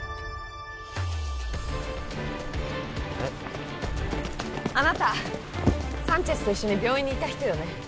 えっあなたサンチェスと一緒に病院にいた人よね？